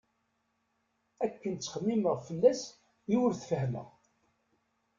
Akken ttxemmimeɣ fell-as i ur t-fehhmeɣ.